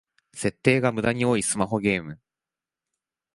設定がムダに多いスマホゲーム